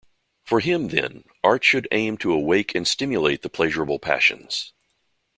For him, then, art should aim to awake and stimulate the pleasurable passions.